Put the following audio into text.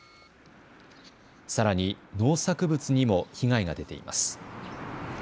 さらに農作物にも被害が出ています。